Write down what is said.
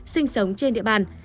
sinh sống trên địa bàn